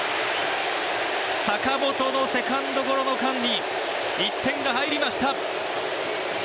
坂本のセカンドゴロの間に１点が入りました。